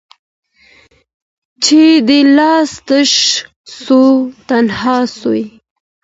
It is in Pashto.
چي دي لاس تش سو تنها سوې